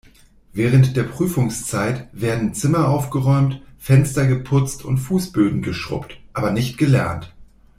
Während der Prüfungszeit werden Zimmer aufgeräumt, Fenster geputzt und Fußböden geschrubbt, aber nicht gelernt.